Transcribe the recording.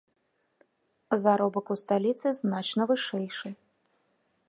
Заробак у сталіцы значна вышэйшы.